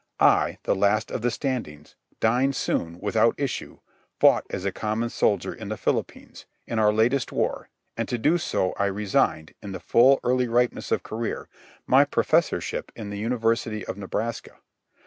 I, the last of the Standings, dying soon without issue, fought as a common soldier in the Philippines, in our latest war, and to do so I resigned, in the full early ripeness of career, my professorship in the University of Nebraska.